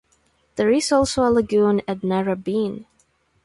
There is also a lagoon at Narrabeen.